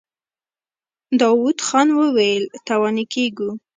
داوود خان وويل: تاواني کېږو.